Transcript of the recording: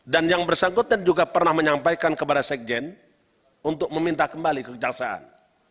dan yang bersangkutan juga pernah menyampaikan kepada sekjen untuk meminta kembali ke kejaksaan